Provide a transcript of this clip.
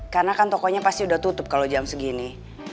karena kan tokonya pasti udah tutup kalo jam segini